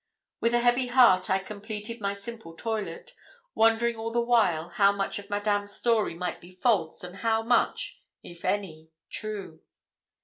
With a heavy heart I completed my simple toilet, wondering all the while how much of Madame's story might be false and how much, if any, true.